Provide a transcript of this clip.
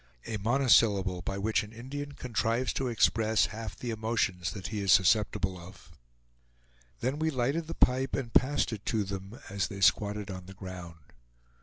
a monosyllable by which an Indian contrives to express half the emotions that he is susceptible of. Then we lighted the pipe, and passed it to them as they squatted on the ground.